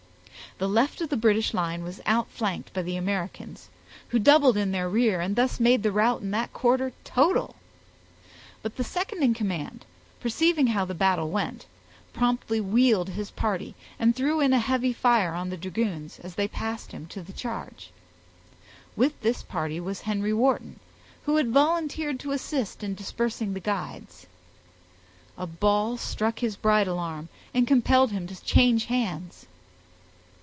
The left of the British line was outflanked by the Americans, who doubled in their rear, and thus made the rout in that quarter total. But the second in command, perceiving how the battle went, promptly wheeled his party, and threw in a heavy fire on the dragoons, as they passed him to the charge; with this party was Henry Wharton, who had volunteered to assist in dispersing the guides. A ball struck his bridle arm, and compelled him to change hands.